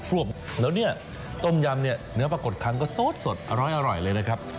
แล้วเนี่ยต้มยำเนื้อปะกดค้ำก็สดอร้อยเลยนะครับ